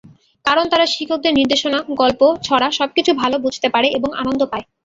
কারণ, তারা শিক্ষকদের নির্দেশনা, গল্প, ছড়া—সবকিছু ভালো বুঝতে পারে এবং আনন্দ পায়।